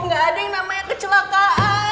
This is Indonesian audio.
nggak ada yang namanya kecelakaan